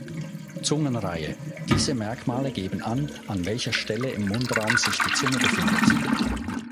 Zungenreihe: Diese Merkmale geben an, an welcher Stelle im Mundraum sich die Zunge befindet.